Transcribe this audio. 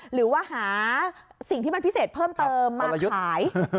หรือว่าหาสิ่งที่มันพิเศษเพิ่มเติมมาขาย